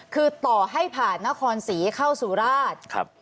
คือต่อให้ผ่านนครศรีเข้าสุราช